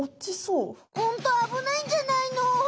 ホントあぶないんじゃないの？